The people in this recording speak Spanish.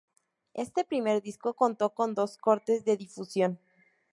Este primer disco contó con dos cortes de difusión.